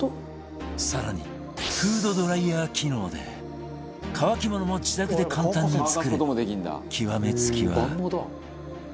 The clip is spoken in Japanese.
更にフードドライヤー機能で乾き物も自宅で簡単に作れ極め付きは